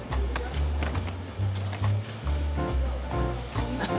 そんな。